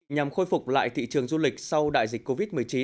nhằm khôi phục lại thị trường du lịch sau đại dịch covid một mươi chín